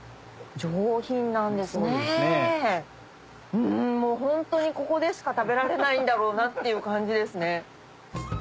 うんもうホントにここでしか食べられないんだろうなっていう感じですね。